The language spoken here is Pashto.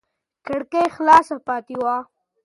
کړکۍ خلاصه پاتې وه.